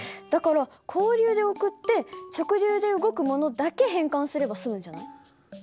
だから交流で送って直流で動くものだけ変換すれば済むんじゃない？